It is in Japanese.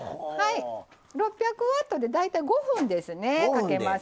６００ワットで大体５分ですね。